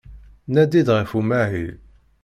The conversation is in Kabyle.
Nadi-d ɣef umahil.